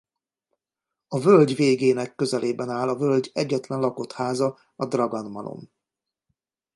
A völgy végének közelében áll a völgy egyetlen lakott háza a Dragan-malom.